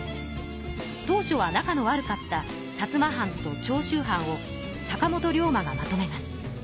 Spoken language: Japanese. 当初は仲の悪かった薩摩藩と長州藩を坂本龍馬がまとめます。